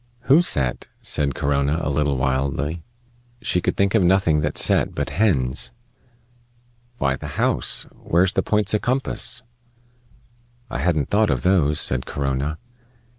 "Who set?" said Corona, a little wildly. She could think of nothing that set but hens. "Why, the house. Where's the points o' compass?" "I hadn't thought of those," said Corona.